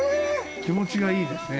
気持ちがいいですね。